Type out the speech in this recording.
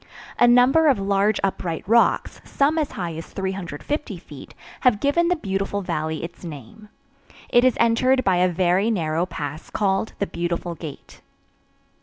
A number of large upright rocks, some as high as 350 feet, have given the beautiful valley its name. It is entered by a very narrow pass called the "Beautiful Gate."